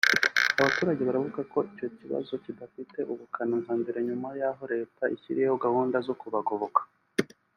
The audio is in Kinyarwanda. abo baturage baravuga ko icyo kibazo kitagifite ubukana nka mbere nyuma y’aho Leta ishyiriyeho gahunda zo kubagoboka